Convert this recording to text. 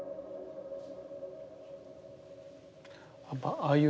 ああいうね